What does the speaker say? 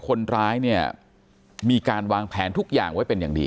คนร้ายเนี่ยมีการวางแผนทุกอย่างไว้เป็นอย่างดี